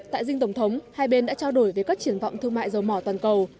tại dinh tổng thống hai bên đã trao đổi về các triển vọng thương mại dầu mỏ toàn cầu